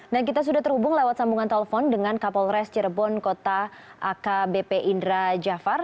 nah kita sudah terhubung lewat sambungan telepon dengan kapolres cirebon kota akbp indra jafar